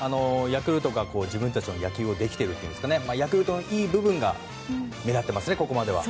ヤクルトが自分たちの野球をできているといいますかヤクルトのいい部分が目立ってますね、ここまでは。